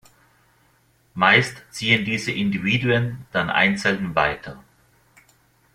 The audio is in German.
Meist ziehen diese Individuen dann einzeln weiter.